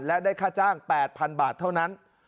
และได้ค่าจ้าง๘๐๐๐บาทเท่านั้น